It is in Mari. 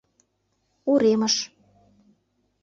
Уремыш.